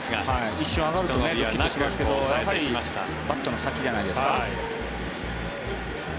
一瞬上がるとドキッとしますけどやはりバットの先じゃないですか。